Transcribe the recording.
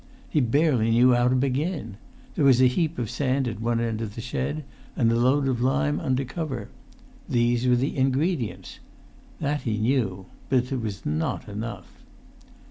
He barely knew how to begin. There was a heap of sand at one end of the shed, and a load of lime under cover. These were the ingredients. That he knew; but it was not enough.